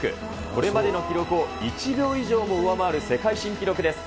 これまでの記録を１秒以上も上回る世界新記録です。